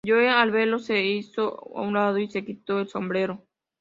Goethe, al verlos, se hizo a un lado y se quitó el sombrero.